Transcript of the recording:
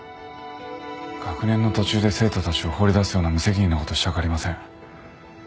学年の途中で生徒たちを放り出すような無責任なことしたくありません。